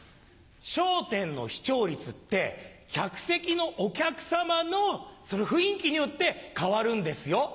『笑点』の視聴率って客席のお客さまの雰囲気によって変わるんですよ。